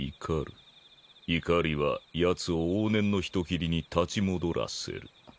怒りはやつを往年の人斬りに立ち戻らせる。